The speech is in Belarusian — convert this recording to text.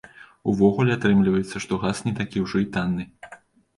Увогуле, атрымліваецца, што газ не такі ўжо і танны.